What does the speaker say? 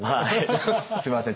すみません